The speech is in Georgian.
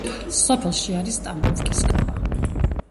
სოფელში არის ტამბოვკის სკოლა.